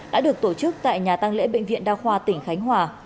đã được tổ chức tại nhà tăng lễ bệnh viện đa khoa tỉnh khánh hòa